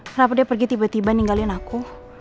kenapa dia pergi tiba tiba ninggalin aku